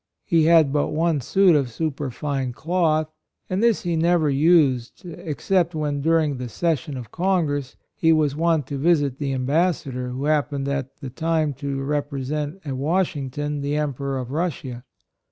He had but one suit of superfine cloth, and this he never used except when during the session of Congress, he was wont to visit the Ambassador who happened at the time to represent at Washington the Emperor of Russia.